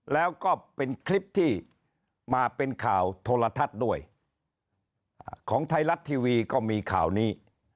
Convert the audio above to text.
แล้วก็เป็นคลิปที่มาเป็นข่าวโทรทัศน์ด้วยของไทยรัฐทีวีก็มีข่าวนี้